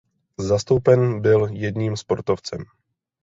Zastoupen byl jedním sportovcem.